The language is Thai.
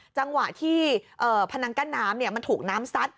จังหวะที่พนังกั้นน้ำมันถูกน้ำซัด